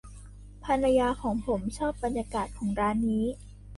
ภรรยาของผมชอบบรรยากาศของร้านนี้